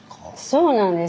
そうなんです。